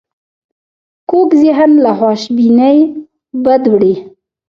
کوږ ذهن له خوشبینۍ بد وړي